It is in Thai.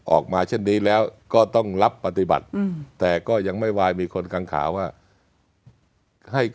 ออกมาเช่นนี้แล้วก็ต้องรับปฏิบัติแต่ก็ยังไม่วายมีคนกังขาว่าให้